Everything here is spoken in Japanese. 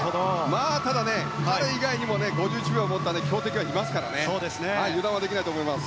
ただ、彼以外にも５１秒を持った強敵はいますから油断はできないと思います。